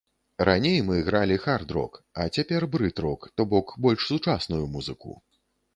Раней мы гралі хард-рок, а цяпер брыт-рок, то бок больш сучасную музыку.